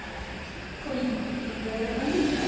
コインどんぐらいだったんですか？